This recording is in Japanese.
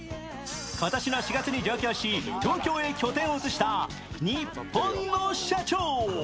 今年の４月に上京し、東京へ拠点を移したニッポンの社長。